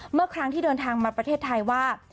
เมื่อครั้งที่เดินทางมาประเทศไทยว่า